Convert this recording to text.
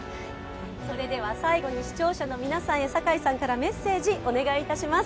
それでは最後に視聴者の皆さんへ、堺さんからメッセージをお願いします。